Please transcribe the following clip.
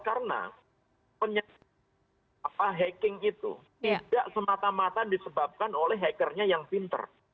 karena penyakit apa hacking itu tidak semata mata disebabkan oleh hackernya yang pinter